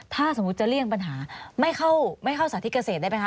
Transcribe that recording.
ถ้าสมมุติจะเลี่ยงปัญหาไม่เข้าศาสตร์ที่เกษตรได้ไหมคะ